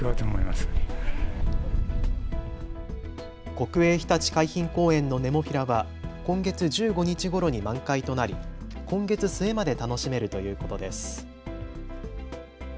国営ひたち海浜公園のネモフィラは今月１５日ごろに満開となり今月末まで楽しめるということです。